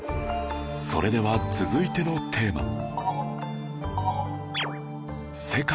それでは続いてのテーマ